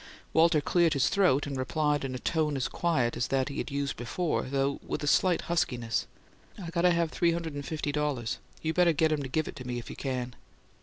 Walter cleared his throat, and replied in a tone as quiet as that he had used before, though with a slight huskiness, "I got to have three hundred and fifty dollars. You better get him to give it to me if you can."